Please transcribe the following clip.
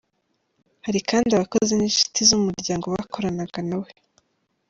Hari kandi abakozi n’inshuti z’umuryango bakoranaga nawe.